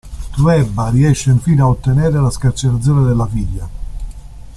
Trueba riesce infine a ottenere la scarcerazione della figlia.